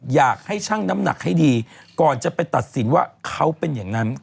ช่างน้ำหนักให้ดีก่อนจะไปตัดสินว่าเขาเป็นอย่างนั้น